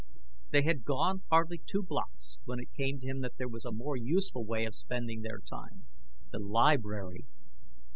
They had gone hardly two blocks when it came to him that there was a more useful way of spending their time. The library!